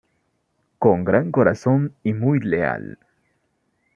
Con gran corazón y muy leal.